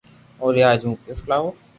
اوري آج ھون گفت لاوُ